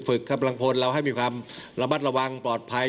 กำลังพลเราให้มีความระมัดระวังปลอดภัย